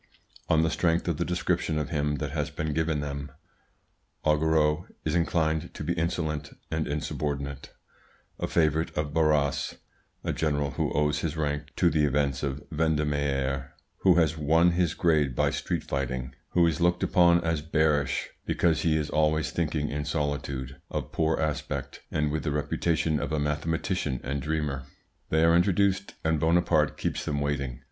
On the strength of the description of him that has been given them, Augereau is inclined to be insolent and insubordinate; a favourite of Barras, a general who owes his rank to the events of Vendemiaire who has won his grade by street fighting, who is looked upon as bearish, because he is always thinking in solitude, of poor aspect, and with the reputation of a mathematician and dreamer. They are introduced, and Bonaparte keeps them waiting.